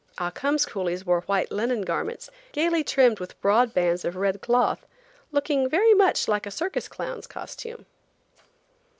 Ah Cum's coolies wore white linen garments, gayly trimmed with broad bands of red cloth, looking very much like a circus clown's costume.